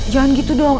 jangan gitu dong